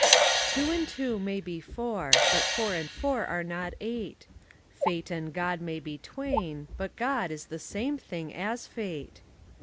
Two and two may be four: but four and four are not eight: Fate and God may be twain: but God is the same thing as fate.